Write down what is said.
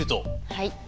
はい。